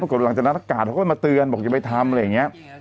หลังจากนั้นอากาศเขาก็มาเตือนบอกอย่าไปทำอะไรอย่างนี้